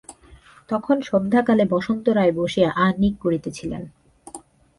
তখন সন্ধ্যাকালে বসন্ত রায় বসিয়া আহ্নিক করিতেছিলেন।